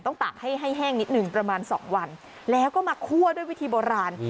ตากให้ให้แห้งนิดหนึ่งประมาณสองวันแล้วก็มาคั่วด้วยวิธีโบราณ